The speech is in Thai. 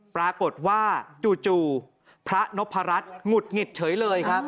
ปรากฏว่าจู่พระนพรัชหงุดหงิดเฉยเลยครับ